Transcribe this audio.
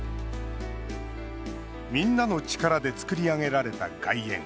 みんなの力で造り上げられた外苑。